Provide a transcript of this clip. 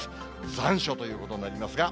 残暑ということになりますが。